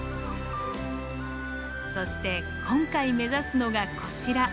そして今回目指すのがこちら。